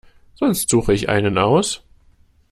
Sonst suche ich einen aus.